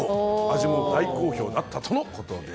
味も大好評だったとのことです。